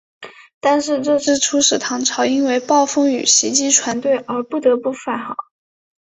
但是这次出使唐朝因为暴风雨袭击船队而不得不返航。